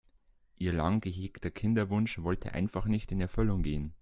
Ihr lang gehegter Kinderwunsch wollte einfach nicht in Erfüllung gehen.